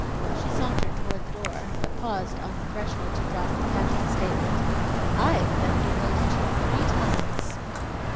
She sauntered toward the door, but paused on the threshold to drop the casual statement. "I've been proposed to three times."